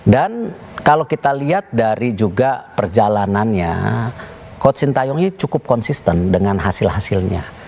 dan kalau kita lihat dari juga perjalanannya coach sintayong ini cukup konsisten dengan hasil hasilnya